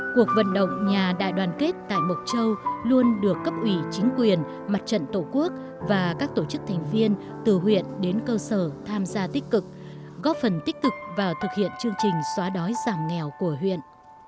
cuộc vận động nhà đại đoàn kết tại mộc châu luôn được cấp ủy chính quyền mặt trận tổ quốc và các tổ chức thành viên từ huyện đến cơ sở tham gia tích cực góp phần tích cực vào thực hiện chương trình xóa đói giảm nghèo của huyện